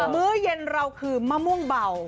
มื้อเย็นเราคือมะม่วงเบา